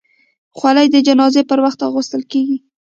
خولۍ د جنازې پر وخت اغوستل کېږي.